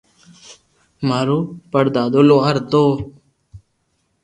مارو پڙ دادو لوھار ھتو